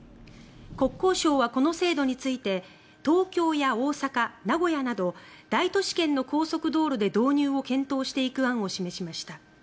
国交省はこの制度について東京や大阪、名古屋など大都市圏の高速道路で導入を検討していく案を示しました。